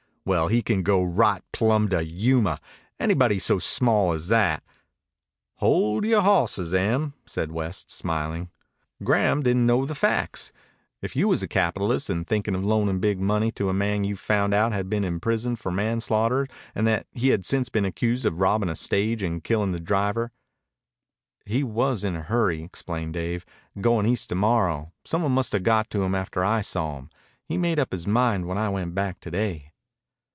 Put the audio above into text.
"Well, he can go right plumb to Yuma. Anybody so small as that " "Hold yore hawsses, Em," said West, smiling. "Graham didn't know the facts. If you was a capitalist an' thinkin' of loanin' big money to a man you found out had been in prison for manslaughter and that he had since been accused of robbin' a stage an' killing the driver " "He was in a hurry," explained Dave. "Going East to morrow. Some one must have got at him after I saw him. He'd made up his mind when I went back to day."